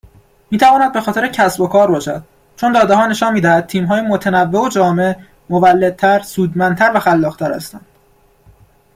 میتواند به خاطر کسب و کار باشد، چون دادهها نشان میدهد تیمهای متنوع و جامع مولدتر، سودمندتر و خلاقتر هستند